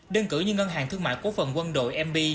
đơn cử như ngân hàng thương mại cố phần quân đội mb